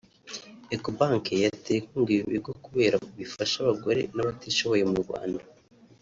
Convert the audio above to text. Ecobank yateye inkunga ibi bigo kubera bifasha abagore n’abatishoboye mu Rwanda